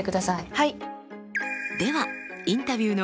はい。